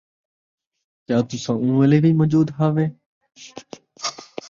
کیا تُساں اُوں ویلے وِی موجود ہاوے،